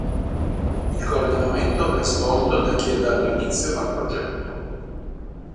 Il coordinamento è svolto da chi ha dato inizio al progetto.